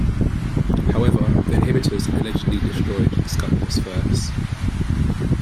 However, the Inhibitors allegedly destroyed the Scuttlers first.